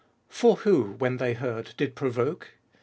For who, when they heard, did provoke?